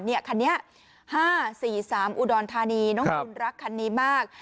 คันนี้๕๔๓อุดรธานีน้องจูนรักคันนี้มาก